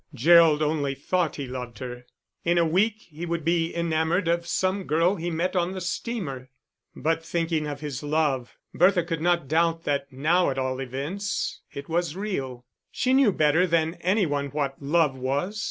Gerald only thought he loved her, in a week he would be enamoured of some girl he met on the steamer. But thinking of his love, Bertha could not doubt that now at all events it was real; she knew better than any one what love was.